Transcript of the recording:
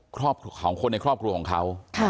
ของคนในครอบครัวของเขา